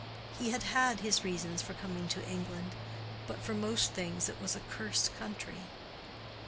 He had had his reasons for coming to England, but for most things it was a cursed country.